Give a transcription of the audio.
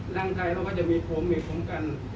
ร่างกายเราก็จะมีโทมีกลมกัน